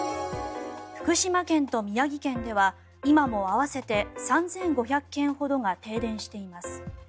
福島県と宮城県では今も合わせて３５００軒ほどが停電しています。